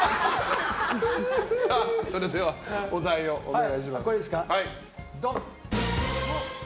それでは、お題をお願いします。